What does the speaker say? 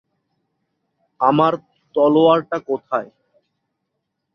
আমার তলোয়ারটা কোথায়?